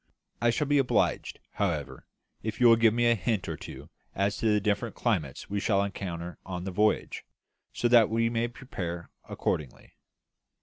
I shall be obliged, however, if you will give me a hint or two as to the different climates we shall encounter on the voyage, so that we may prepare accordingly."